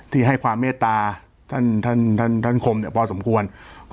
ที่ให้ความเมตตาท่านท่านคมพอสมควร